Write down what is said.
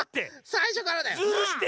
「さいしょから」って！